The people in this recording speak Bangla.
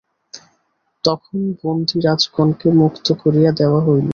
তখন বন্দী রাজগণকে মুক্ত করিয়া দেওয়া হইল।